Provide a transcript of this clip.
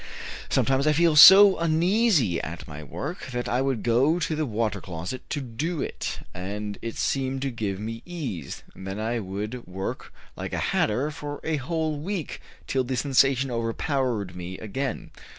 Sometimes I felt so uneasy at my work that I would go to the water closet to do it, and it seemed to give me ease, and then I would work like a hatter for a whole week, till the sensation overpowered me again.